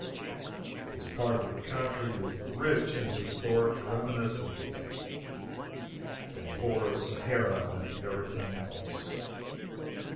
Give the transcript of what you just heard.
This part of the country is rich in historic reminiscences, and poor as Sahara in every thing else.